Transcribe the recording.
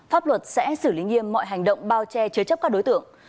pháp luật sẽ xử lý nghiêm mọi hành động bao che chứa chấp các đối tượng